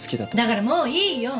だからもういいよ。